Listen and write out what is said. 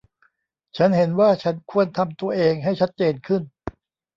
ฉันเห็นว่าฉันควรทำตัวเองให้ชัดเจนขึ้น